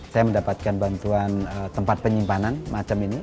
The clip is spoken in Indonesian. saya mendapatkan bantuan tempat penyimpanan macam ini